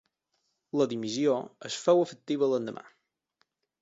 La dimissió es féu efectiva l'endemà.